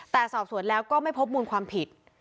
แต่สอบสวนแล้วก็ไม่พบมูลความผิด